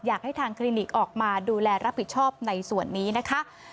อยากให้ทางคลินิกออกมาดูแลรับผิดชอบในส่วนนี้นะคะ